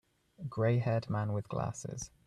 Grayhaired man with glasses.